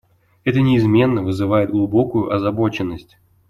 Это неизменно вызывает глубокую озабоченность.